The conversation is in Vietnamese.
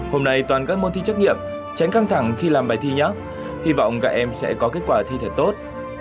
hôm nay toàn các môn thi trách nhiệm tránh căng thẳng khi làm bài thi nhé hy vọng các em sẽ có kết quả thi thật tốt